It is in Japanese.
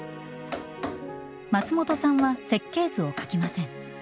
松本さんは設計図を描きません。